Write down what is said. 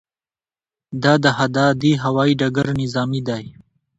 د دهدادي هوايي ډګر نظامي دی